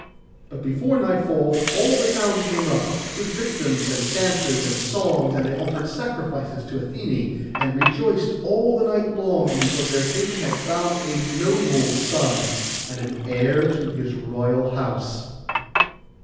But before nightfall all the town came up, with victims, and dances, and songs; and they offered sacrifices to Athené, and rejoiced all the night long, because their king had found a noble son, and an heir to his royal house.